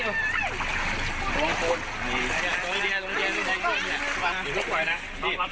ยืด